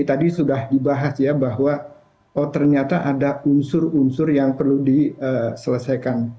tadi sudah dibahas ya bahwa oh ternyata ada unsur unsur yang perlu diselesaikan